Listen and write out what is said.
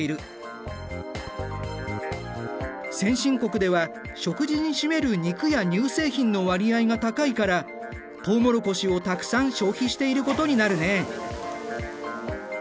先進国では食事に占める肉や乳製品の割合が高いからとうもろこしをたくさん消費していることになるね。